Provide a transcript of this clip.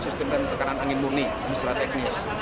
sistem rem tekanan angin murni